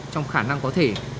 trong khả năng có thể